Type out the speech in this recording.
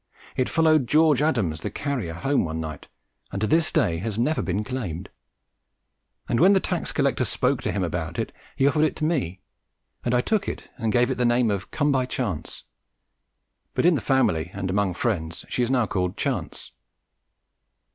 It followed George Adams, the carrier, home one night, and to this day has never been claimed; and when the tax collector spoke to him about it, he offered it to me, and I took it and gave it the name of "Come by chance," but in the family and among friends she is now called "Chance."